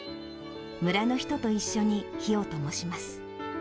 村の人と一緒に火をともします。